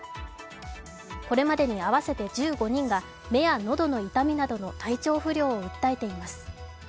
これまでに合わせて１５人が目や喉の痛みなどの体調不良を訴えています。